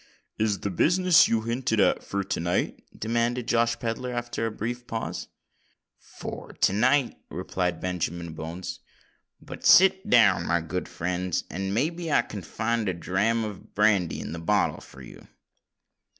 "Is the business you hinted at for to night?" demanded Josh Pedler, after a brief pause. "For to night," replied Benjamin Bones. "But sit down, my good friends, and may be I can find a dram of brandy in the bottle for you."